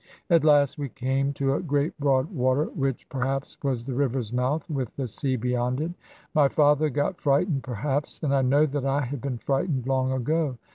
At last we came to a great broad water, which perhaps was the river's mouth, with the sea beyond it. My father got frightened perhaps; and I know that I had been frightened long ago.